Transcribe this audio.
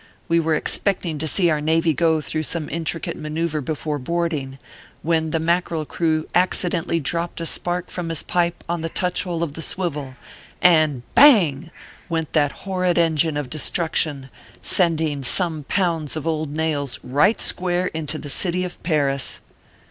We were expecting to see our navy go through some intricate manoeuvre before boarding, when the Mackerel crew accidentally dropped a spark from his pipe on the touch hole of the swivel ; and bang ! went that horrid engine of destruction, send ing some pounds of old nails right square into the city of Paris.